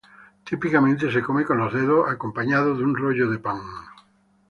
Típicamente se come con los dedos, acompañado de un rollo de pan.